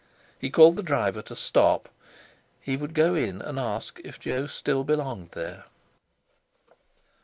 He called to the driver to stop. He would go in and ask if Jo still belonged there.